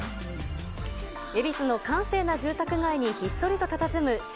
恵比寿の閑静な住宅街にひっそりとたたずむ笑